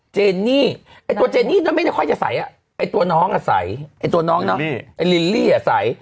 เจนี่ตัวเจนี่ไม่ได้ค่อยจะใสไอ้ตัวน้องอะใสไอ้ตัวน้องเนอะไอ้ลิลลี่อะใส